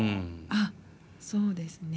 あっそうですね。